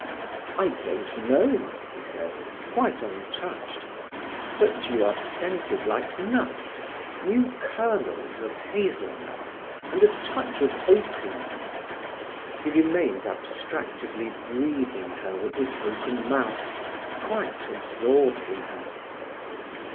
"I don't know," he said, quite untouched. "But you are scented like nuts, new kernels of hazel nuts, and a touch of opium…." He remained abstractedly breathing her with his open mouth, quite absorbed in her.